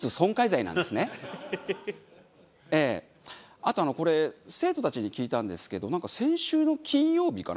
あとあのこれ生徒たちに聞いたんですけどなんか先週の金曜日かな？